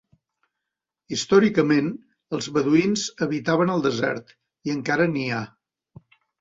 Històricament, els beduïns habitaven el desert i encara n'hi ha.